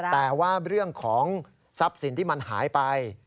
แต่ว่าเรื่องของทรัพย์สินที่มันหายไป